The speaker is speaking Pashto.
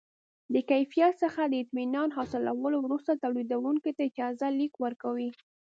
د کیفیت څخه د اطمینان حاصلولو وروسته تولیدوونکي ته اجازه لیک ورکوي.